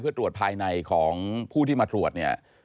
เพื่อตรวจภายในของผู้ที่มาตรวจเนี่ย